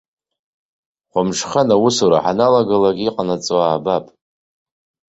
Хәымҽхан аусура ҳаналгалак иҟанаҵо аабап.